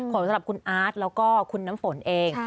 สำหรับคุณอาร์ตแล้วก็คุณน้ำฝนเอง